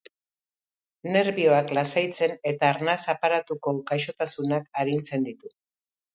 Nerbioak lasaitzen eta arnas aparatuko gaixotasunak arintzen ditu.